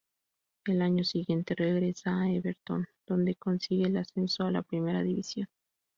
Al año siguiente, regresa a Everton donde consigue el ascenso a la Primera División.